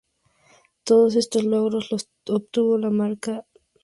Todos estos logros los obtuvo con las marcas Dodge y Ford.